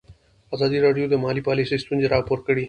ازادي راډیو د مالي پالیسي ستونزې راپور کړي.